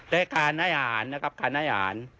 และการให้อ่านนะครับ